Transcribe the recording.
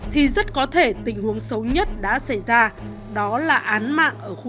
thì rất có thể tình huống sẽ bị bỏ lỡ